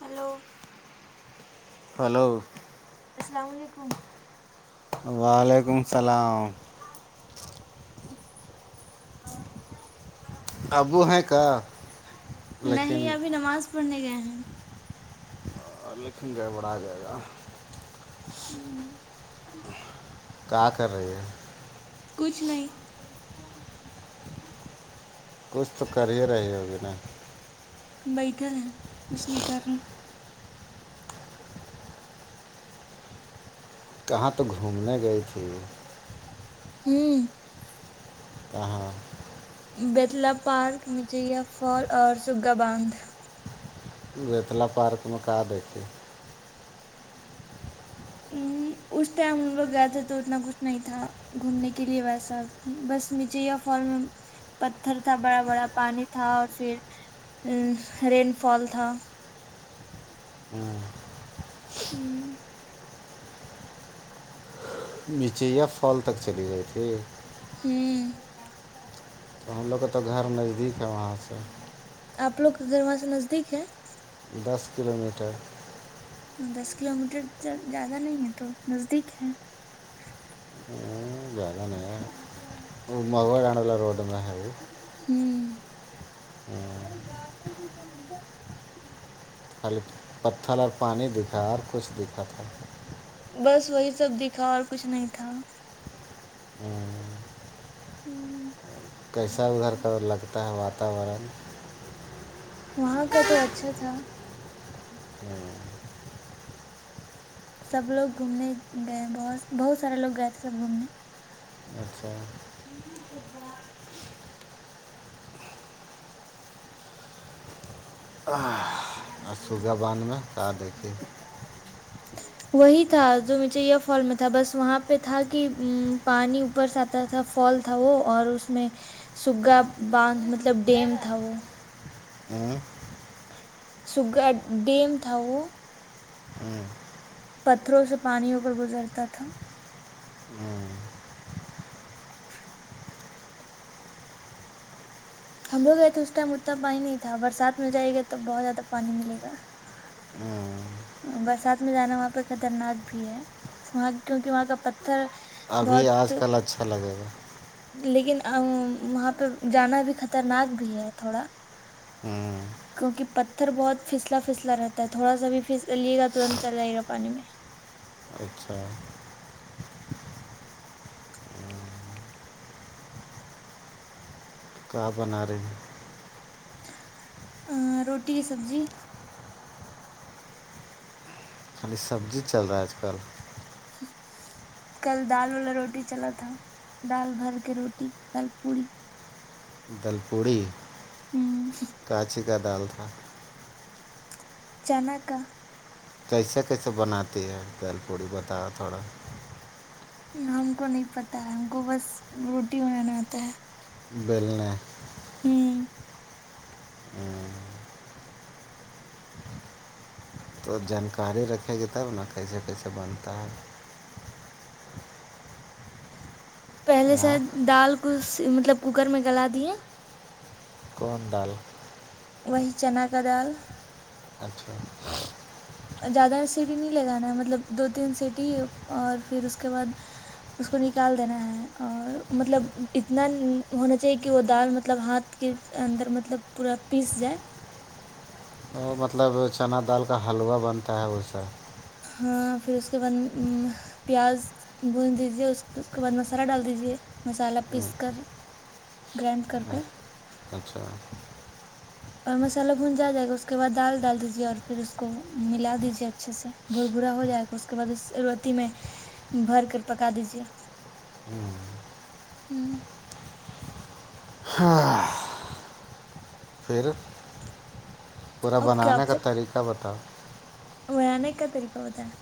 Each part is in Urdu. ہیلو ہلو السلام علیکم وعلیکم السلام ابو ہیں کا لیکن پنے گ ہے ہیں لیکن گڑبڑ آ جائے گا ہوں کا کر رہی ہے کچھ نہیں کچھ تو کر ہی رہے ہوگی نا بیٹھا ہے کچ نہیں کر رہ کہاں تو گھومنے گئی تھی ہوں ہ ہاں بیتلا پارک مجیا فال اور سگا باندھ بیتلا پارک میں کہ دیتے ا اس ٹائم ان لوگ گیا تھا تو اتنا کچھ نہیں تھا گھومنے کے لیے بس اب بھی بس مجھے یا فال میں پتھر تھا بڑا بڑا پانی تھا اور پھر ا رین فال تھا ہوں نیچے یا پھال تک چلی گئی تھی ہوں تو ہم لوگ کے تو گھر نزدیک ہے وہاں سے آپ لوگ کے گھر وہاں سے نزدیک ہے دس کلو میٹر دس کلو میٹر زیادہ نہیں ہے تو نزدیک ہے زیادہ نہیں وہ مغو آنے والا روڈ میں ہے وہ ہوں پتھر اور پانی دکھا اور کچھ دکھا تھا بس وہی سب دکھا اور کچھ نہیں تھا ہوں کیسا ادھر کا لگتا ہے واتاورن وہاں کا تو اچھا تھا سب لوگ گھومنے گئے بہت بہت سارے لوگ گئے تھے سب گھومنے اچھا [unintelligible] سوگ باندھ میں کا دیتے وہی تھا جو میے فال میں تھا بس وہاں پہ تھا کہ پانی اوپرس آتا تھا فال تھا وہ اور اس میں سگا باند مطلب ڈیم تھا وہ ہوں سگا ڈیم تھاؤ ہوں پتھروں سے پانی ہو کر گزرتا تھا ہم لوگ یہ تھے اس ٹائم اتنا پانی نہیں تھا برسات میں جائے گا تو بہت زیادہ پانی ملےا برسات میں جانا وہاں پہ خطرناک بھی ہے وہاں کیونکہ وہاں کا پتھر ابھی بہت آج کل اچھا لگے گا لیکن وہاں پہ جانا بھی خطرناک بھی ہے تھوڑا ہوں کیونکہ پتھر بہت پھسلا پھسلا رہتا ہے تھوڑا سا بھی پس لیے گا ترنت چل جائے گا پانی میں اچھا کہ بنا رہے ہیں روٹی کی سبزی نی سبزی چل رہا ہے آج کل [unintelligible] کل دال والا روٹی چلا تھا دال بھر کے روٹی دال پوڑی دل پڑی ہوں کانچی کا دال تھا چناک کیسے کیسے بناتی ہے دال پوڑی بتاؤ تھوڑا ہم کو نہیں پت ہے ہم کو بس روٹی بنانا آتا ہے بل ہوں ہوں تو جانکاری رکھے گی تب نا کیسے کیسے بنتا ہے پہلے ہاں سے دال کو مطلب کوکر میں گلا دیے کون ڈال وہی چنا کا دال اچھا زیادہ سیٹی نہیں لگانا ہے مطلب دو تین سیٹی اور پھر اس کے بعد اس کو نکال دینا ہے اور مطلب اتنا ہونا چاہیے کہ وہ دال مطلب ہاتھ کے اندر مطلب پورا پیس جائے وہ مطلب چنا دال کا حلوہ بنتا ہے اسا ہاں پھر اس کے بعد پیاز بھج دیجے اس کے بعد مسالہ ڈال دیجے مسالہ ہوں، پیس کر گرڈ کرک اچھا اور مسالہ بھن جا جائے گا اس کے بعد دال ڈال دیجیے اور پھر اس کو ملا دیجیے اچھے سے بور بورا ہو جائے گا اس کے بعد اس اوتی میں بھر کر پکا دیجے ہوں ہاں پھر پورا اب بنانے کا طریقہ بتاؤ وہ انے کا پری کے ہوتا ہے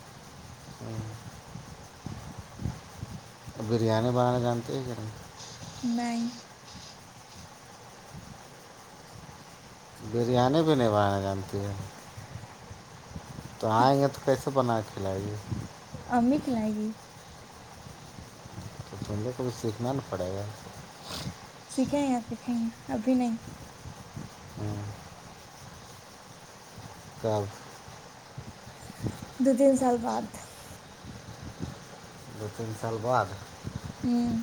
بریانی بنانا جانتی ہے کیاھر نہیں بریانی بھی نہیں بانا جانتی ہے تو آئیں گے تو کیسے بنا کے کلے امت ل گی تو دھندے کو بھی سیکھنا ن پڑے گا سیکھیں یا سیکھیں ہیں ابھی نہیں تو دو تین سال بعد دو تین سال بعد ہوں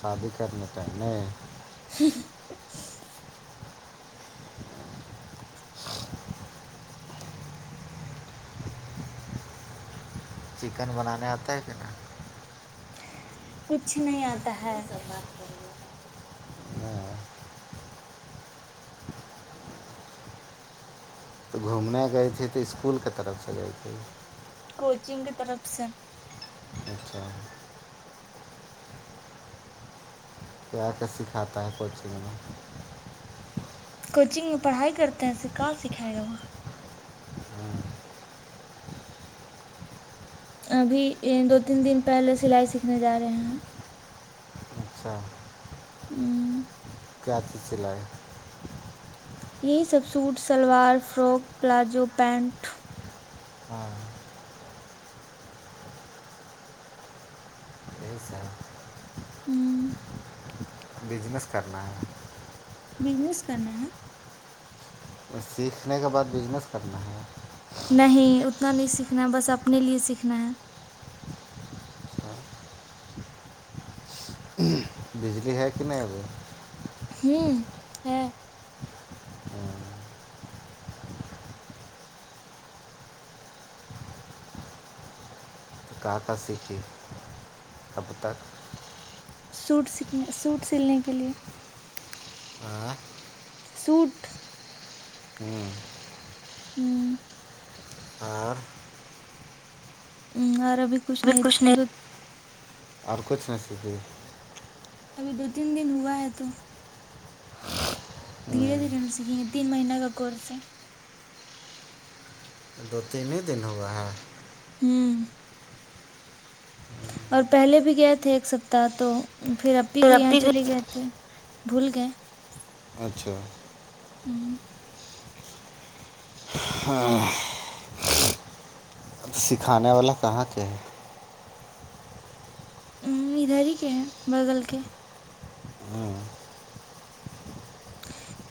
شادی کرنے پہنے [unintelligible] چکن بنانے آتا ہے کہ ن کچھ نہیں آتا ہے یہ سب بات کر رہے ہیں ہاں، تو گھومنے گئے تھ تو اسکول کے طرف سے جائے تھ کوچنگ کی طرف سے اچھا پ آ کے سکھاتا ہے کوچنگ میں کوچنگ میں پڑھائی کرتے ہیں کہاں سکھائے گا وہاں ابھی دو تین دن پہلے سلائی سیکھنے جا رہے ہیں اچھا ہوں کیا چیز چلا ہے یہی سب suit salwar frock palazzo pant ہاں صی سر ہوں بزنس کرنا ہے بزنس کرنا ہے اور سیکھنے کے بعد بزنس کرنا ہے نہیں اتنا نہیں سیکھنا ہے بس اپنے لیے سیکھنا ہے اچھا ہوں بجلی ہے کہ نہیں اب ہوں ہے کا کر سیکھے تب تک سوٹ سنے سوٹ سلنے کے لیے [unintelligible] سوٹ ہوں ہوں ہاں ہ عرب کچھ نہیں اور کچھ نہیں سیک ابھی دو تین دن ہوا ہے تو دھیرے دھیرے ن سیکھیں گے تین مہینہ کا کورس ہے دو تین ہی دن ہوا ہے ہوں اور پہلے بھی گئے تھے ایک سپتاہ تو پھر اب بھی یہاں ترقی کی چلے گئے تھے بھول گ اچھا ہوں ہاں سکھانے والا کہاں کے ہے ا ادھر ہی کے ہیں بغل کے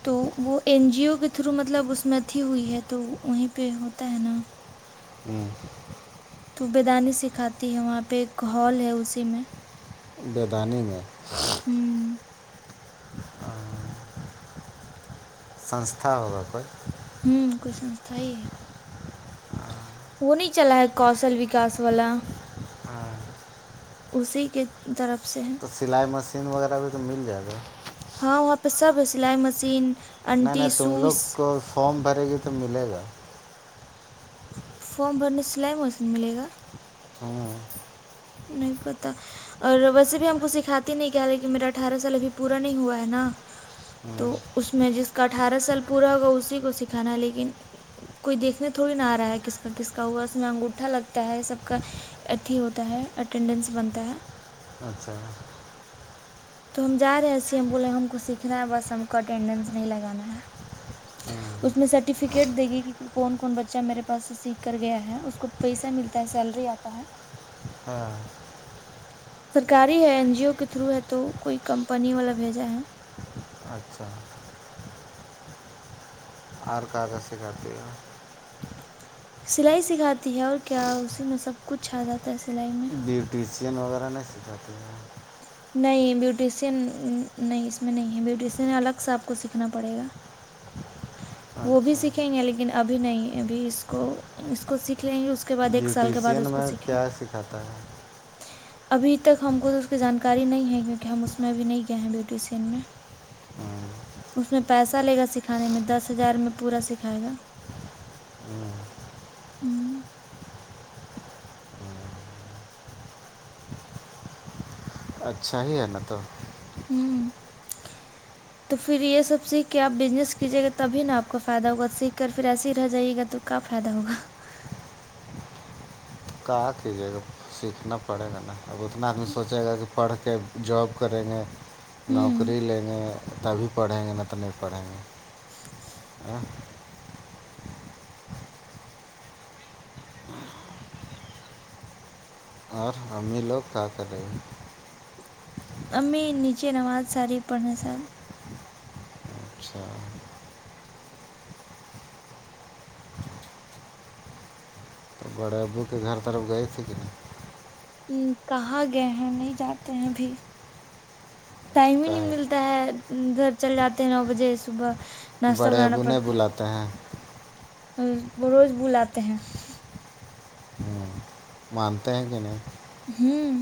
تو وہ این جیو کے تھرو مطلب اس میں اھی ہوئی ہے تو وہیں پہ ہوتا ہے نا ہوں تو بیدانی سکھاتی ہے وہاں پہ ایک ہال ہے اسی میں بیدانی میں ہوں سنسھا ہوگا کوئی ہوں کوئی سستھا ہی ہے وہ نہیں چلا ہے کوشل وکاس والا ہاں اسی کے طرف سے ہے تو سلائی مشین وغیرہ بھی تو مل جات گا ہاں وہاں پہ سب ہے سلائی مشین نہیں نہیں انٹی تم لوگ سوئس کو فارم بھرے گی تو ملے گا فارم بھرنے سے سلائی مشین ملے گا ہوں نہیں پتا اور ویسے بھی ہم کو سکھاتی نہیں کیا لیکن میرا اٹھارہ سال ابھی پورا نہیں ہوا ہے نا تو ہوں اس میں جس کا اٹھارہ سال پورا ہوگا اسی کو سکھانا لیکن کوئی دیکھنے تھوڑی نہ آ رہا ہے کس کا کس کا ہوا اس میں انگوٹھا لگتا ہے سب کا اھی ہوتا ہے اٹینڈنس بنتا ہے اچھا تو ہم جا رہے ہیں سیم بولے ہم کو سیکھنا ہے بس ہم کو اٹینڈینس نہیں لگانا ہے [unintelligible] اس میں سرٹیفکیٹ دے گی کہ کون کون بچہ میرے پاس سے سیکھ کر گیا ہے اس کو پیسہ ملتا ہے سیلری آتا ہے ہاں سرکاری ہے این جی او کے تھرو ہے تو کوئی کمپنی والا بھیجا ہے اچھا اور کاغذ سکھاتی ہے سلائی سکھاتی ہے اور کیا اسی میں سب کچھ آ جاتا ہے سلائی میں بیوٹیشین وغیرہ نہیں سکھاتے ہیں نہیں بیوٹیسین نہیں اس میں نہیں ہے بیوٹیسین الگ سے آپ کو سیکھنا پڑے گا وہ بھی اچھا سیکھیں گے لیکن ابھی نہیں ابھی اس کو اس کو سیکھ لیں گے اس کے بعد ایک سال کے بعد بیوٹیشین اس کو میں سیکھیں گے۔ کیا سکھاتا ہے ابھی تک ہم کو تو اس کی جانکاری نہیں ہے کیونکہ ہم اس میں ابھی نہیں گئے ہیں بیوٹی سین میں اس میں پیسہ لے گا س سکھانے میں دس ہزار میں پورا سکھائے گا ہ اچھا ہی ہے نا تو ہوں [inaudible] تو پھر یہ سب سیکھ کے آپ بزنس کیجیے گا تبھی نا آپ کو فائدہ ہوگا سیکھ کر پھر ایس ہی رہ جائی گا تو کا فائدہ ہوگا کہک جے گا سیکھنا پڑے گا نا اب اتنا آدمی سوچے گا کہ پڑھ کے جاب کریں گے ہوں نوکری لیں گے تبھی پڑھیں گے نہ تو نہیں پڑھیں گے ا اور ا لوگ کا کرے ہیں امی نیچے نماز ساری پڑھنے سر اچھا تو بڑے ابو کے گھر طرف گئے تھے کہ نہیں کہاں گئے ہیں نہیں جانے ہیںب ٹائم ہی کا نہیں ہے ملتا ہے گھر چل جاتے ہیں نو بجے صبح ناشتہ بڑے بنانا ابونے بلاتے ہیں ہ روز بلاتے ہیں مانتے ہیں کہ نہیں ہوں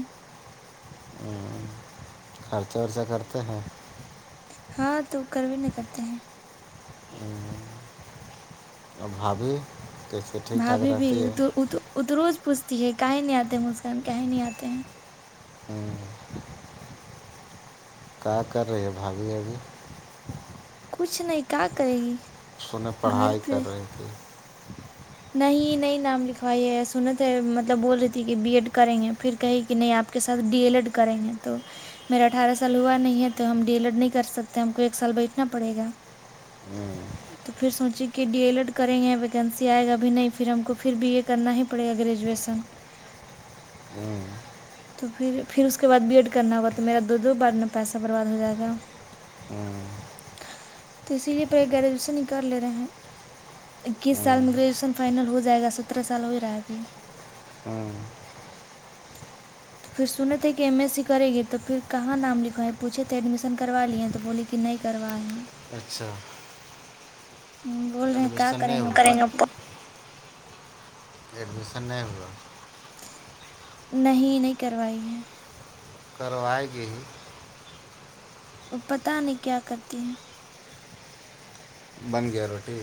خرچہ رچہ کرتے ہیں ہاں تو کروے نہیں کرتے ہیں اباب بھاابھی بھی اتروج پوچھتی ہے کہیں نہیں آتے مسکان کہیں نہیں آتے ہیں کیا کر رہی ہے بھاابھی ابھی کچھ نہیں کیا کرے گی سہیں گھر پڑھائی پہ کر رہی تھی نہیں نہیں نام لکھوائی سنت ہے مطلب بول رہی تھی کہ بی ایڈ کریں گے پھر کہیں کہ نہیں آپ کے ساتھ ڈی ایل ایڈ کریں گے تو میرا اٹھارہ سال ہوا نہیں ہے تو ہم ڈیلڈ نہیں کر سکتے ہم کو ایک سال بیٹھنا پڑے گا تو پھر سوچے کہ ڈی ایلڈ کریں گے ویکینسی آئے گا ا نہیں پھر ہم کو پھر بی ا کرنا ہی پڑے گا گریجویشن تو پھر پھر اس کے بعد بی ایڈ کرنا ہوگا تو میرا دو دو بارد میں پیسہ برباد ہو جائے گا ہوں تو اسی لیے پے گریجویشن ہی کر لے رہے ہیں اکیس سال میں گریجویشن فائنل ہو جائے گا سترہ سال ہو رہا ہےبھی ہاں تو پھر سنے تھے کہ ایم ایس سی کرے گی تو پھر کہاں نام لکھوایں پوھے تھے ایڈمیشن کروا لیے ہیں تو بولی کہ نہیں ہی کروائے ہیں اچھا ہ بول رہے ہیں کیا ایڈمیشن کریں نہیں گے ہوا ا پڑھ کے پ- ایڈمیشن نہیں ہوا نہیں نہیں کروائی ہے کروائے گی ہی پتا نہیں کیا کرتی ہے بن گیا روٹی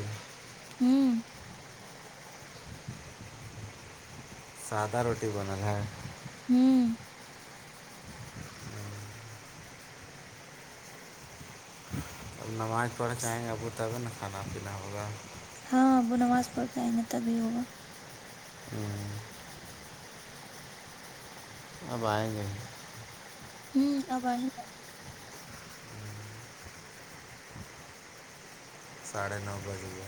ہوں سادہ روٹی بنا ہے ہوں اب نماز پڑھ کے آئیں گے اب تبھی نا کھانا پینا ہوگا ہاں وہ نماز پڑھ کے آئیں گے تبھی ہوگا اب آئیں گے ہوں اب ہے ساڑھے نو بجے